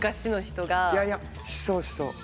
いやいやしそうしそう。